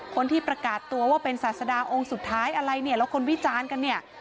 คนที่ประกาศตัวว่าเป็นศาสดาองค์สุดท้ายอะไรเนี่ยแล้วคนวิจารณ์กันเนี่ย